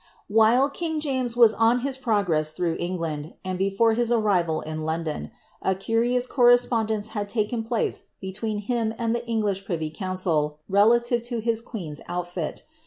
While king James was on his progress through England, and btkire i,. arrival in London, a curious corre:iponilencp had taken place beuvetn i.>o and the English privy council relative lo his queen's outtil.